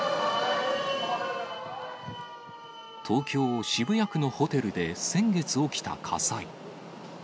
東京・渋谷区のホテルで先月起きた火災。